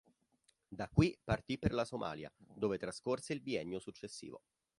Da qui partì per la Somalia, dove trascorse il biennio successivo.